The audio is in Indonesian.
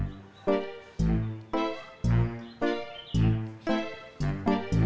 aku ambil kyaknya ambil tapi lezat banget